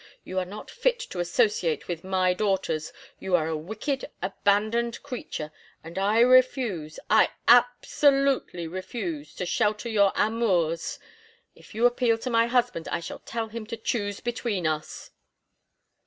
You are not fit to associate with my daughters. You are a wicked, abandoned creature, and I refuse—I absolutely refuse—to shelter your amours. If you appeal to my husband I shall tell him to choose between us."